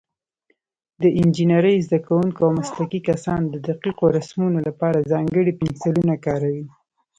د انجینرۍ زده کوونکي او مسلکي کسان د دقیقو رسمونو لپاره ځانګړي پنسلونه کاروي.